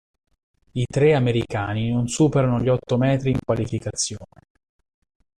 I tre americani non superano gli otto metri in Qualificazione.